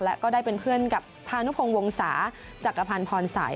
และก็ได้เป็นเพื่อนกับพานุพงศ์วงศาจักรพันธ์พรสัย